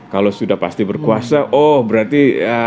kalau sudah pasti berkuasa oh berarti